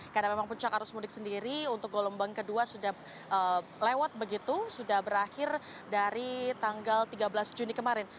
karena memang puncak arus mudik sendiri untuk golombang kedua sudah lewat begitu sudah berakhir dari tanggal tiga belas juni kemarin